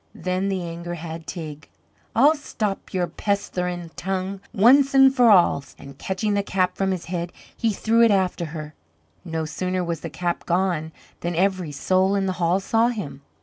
Then the anger had Teig. "I'll stop your pestherin' tongue, once an' for all time!" and, catching the cap from his head, he threw it after her. No sooner was the cap gone than every soul in the hall saw him.